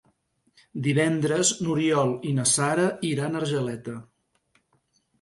Divendres n'Oriol i na Sara iran a Argeleta.